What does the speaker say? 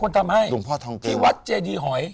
ที่วัดเจดียยย์หอย